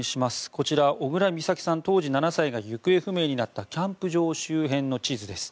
こちら、小倉美咲さん当時７歳が行方不明になったキャンプ場周辺の地図です。